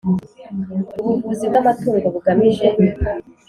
Ubuvuzi bw amatungo bugamije